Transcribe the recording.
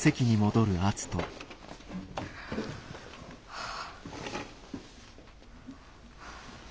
はあ。